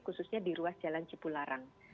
khususnya di ruas jalan cipularang